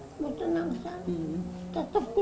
tetap dulu tunggu nih tetap dulu